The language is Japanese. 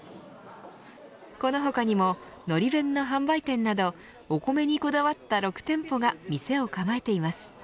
この他にも、のり弁の販売店などお米にこだわった６店舗が店を構えています。